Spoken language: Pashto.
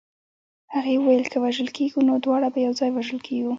هغې ویل که وژل کېږو نو دواړه به یو ځای وژل کېږو